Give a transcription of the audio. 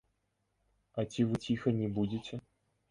А ці вы ціха не будзеце?